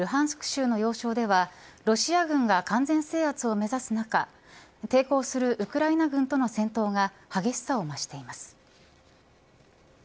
州の要衝ではロシア軍が完全制圧を目指す中抵抗するウクライナ軍との戦闘が激しさを増しています。